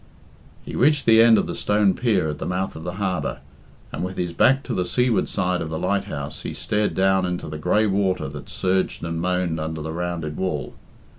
He reached the end of the stone pier at the mouth of the harbour, and with his back to the seaward side of the lighthouse he stared down into the grey water that surged and moaned under the rounded wall.